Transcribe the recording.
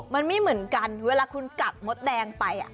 มันไม่เหมือนกันเวลาคุณกัดมดแดงไป